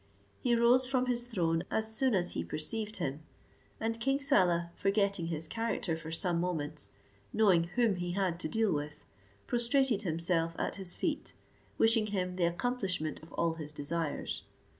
He rose from his throne as soon as he perceived him; and King Saleh, forgetting his character for some moments, knowing whom he had to deal with, prostrated himself at his feet, wishing him the accomplishment of all his desires.